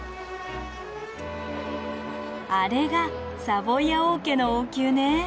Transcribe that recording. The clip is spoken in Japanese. あれがサヴォイア王家の王宮ね。